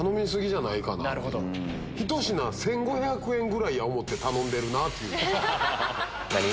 １品１５００円ぐらいや思うて頼んでるなぁという。